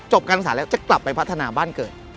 การศึกษาแล้วจะกลับไปพัฒนาบ้านเกิด